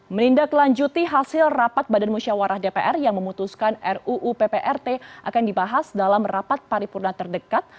menindaklanjuti hasil rapat badan musyawarah dpr yang memutuskan ruu pprt akan dibahas dalam rapat paripurna terdekat